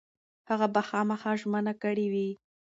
هغه به خامخا ژمنه کړې وي.